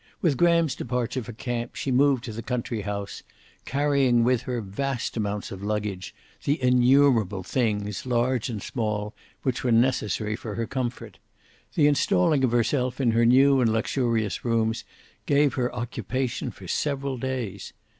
With Graham's departure for camp she moved to the country house, carrying with her vast amounts of luggage, the innumerable thing, large and small, which were necessary for her comfort. The installing of herself in her new and luxurious rooms gave her occupation for several days.